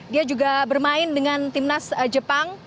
dia juga bermain dengan tim nas jepang